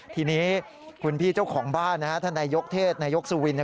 ทีนี้คุณพี่เจ้าของบ้านนะฮะในยกเทศในยกสุวินนะ